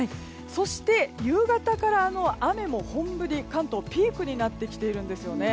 そして、夕方から雨も本降り、関東ピークになってきているんです。